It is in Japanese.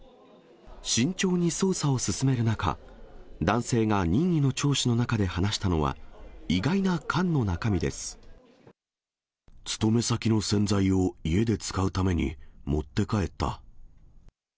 慎重に捜査を進める中、男性が任意の聴取の中で話したのは、勤め先の洗剤を家で使うために持って帰った。